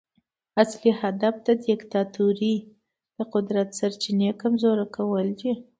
اصلي هدف د دیکتاتورۍ د قدرت سرچینې کمزوري کول دي.